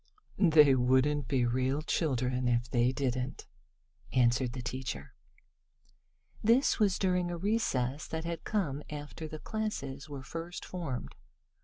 "They wouldn't be real children if they didn't," answered the teacher. This was during a recess that had come after the classes were first formed.